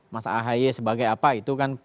mas ahaye sebagai apa itu kan